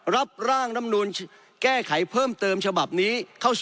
รับร่างรำนุนแก้ไขเพิ่มเติมฉบับนี้